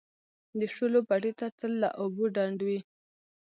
د شولو پټي تل له اوبو ډنډ وي.